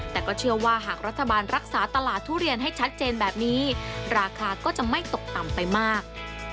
แต่ก็เชื่อว่าหากรัฐบาลรักษาตลาดทุเรียนให้ชัดเจนแบบนี้ราคาก็จะไม่ตกต่ำไปมาก